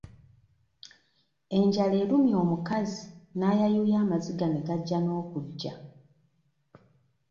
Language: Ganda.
Enjala erumye omukazi n'ayayuuya amaziga ne gajja n'okujja.